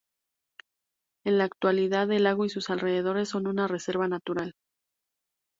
En la actualidad el lago y sus alrededores, son una reserva natural.